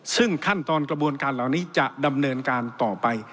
ซึ่งขั้นตอนกระบวนการเหล่านี้จะดำเนินการต่อไป